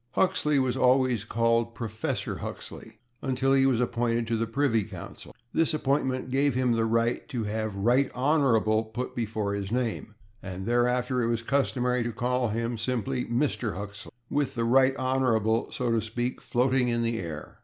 Huxley was always called /Professor/ Huxley until he was appointed to the Privy Council. This appointment gave him the right to have /Right Honourable/ put before his name, and thereafter it was customary to call him simply /Mr./ Huxley, with the /Right Honourable/, so to speak, floating in the air.